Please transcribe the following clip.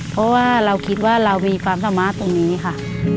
เพราะว่าเราคิดว่าเรามีความสามารถตรงนี้ค่ะ